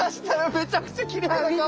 めちゃくちゃきれいな川が。